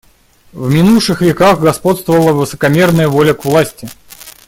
«В минувших веках господствовала высокомерная воля к власти.